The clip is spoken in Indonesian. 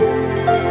ya udah deh